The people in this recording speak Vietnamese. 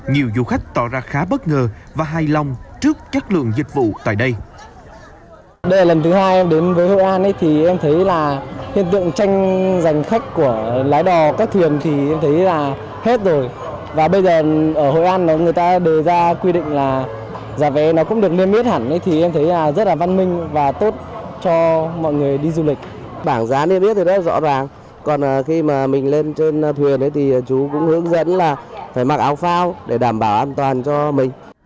nhiều du khách tỏ ra khá bất ngờ và hài lòng trước chất lượng dịch vụ tại đây